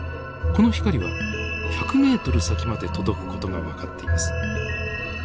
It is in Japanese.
この光は１００メートル先まで届く事が分かっています。